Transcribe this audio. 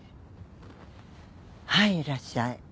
はいいらっしゃい。